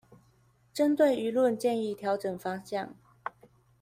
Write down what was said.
針對輿論建議調整方向